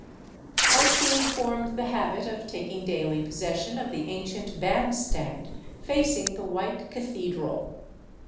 I soon formed the habit of taking daily possession of the ancient band stand facing the white " cathedral."